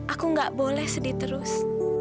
aku gak boleh sedih terus